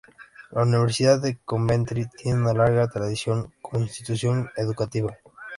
La Universidad de Coventry tiene una larga tradición como institución educativa.